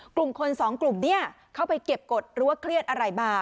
กลุ่มคนสองกลุ่มเนี่ยเข้าไปเก็บกฎหรือว่าเครียดอะไรมา